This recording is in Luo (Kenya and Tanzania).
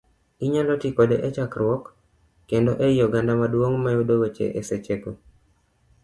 Inyalo ti kode e chakruok, kendo ei oganda maduong' mayudo weche e seche go.